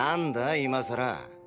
今更。